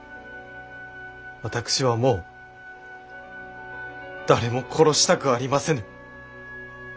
私はもう誰も殺したくありませぬ。